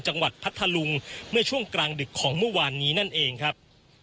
พัทธลุงเมื่อช่วงกลางดึกของเมื่อวานนี้นั่นเองครับ